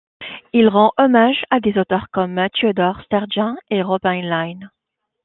Il rend hommage à des auteurs comme Theodore Sturgeon et Robert Heinlein.